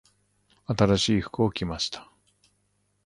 新しい服を着ました。